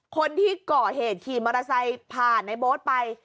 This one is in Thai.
คนที่ก่อเหตุขี่มอเตอร์ไซค์ผ่านในโบ๊ทไป